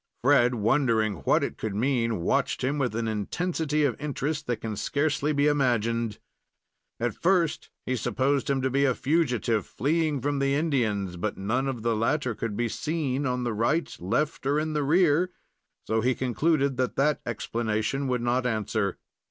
Fred, wondering what it could mean, watched him with an intensity of interest that can scarcely be imagined. At first he supposed him to be a fugitive fleeing from the Indians; but none of the latter could be seen on the right, left or in the rear and so he concluded that that explanation would not answer.